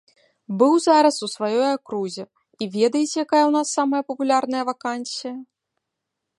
Быў зараз у сваёй акрузе, і ведаеце, якая ў нас самая папулярная вакансія?